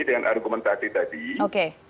dengan argumentasi tadi oke